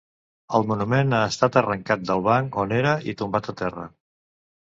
El monument ha estat arrencat del banc on era i tombat a terra.